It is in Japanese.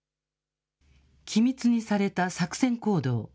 機密にされた作戦行動。